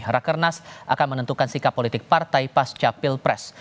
rakernas akan menentukan sikap politik partai pas capil pres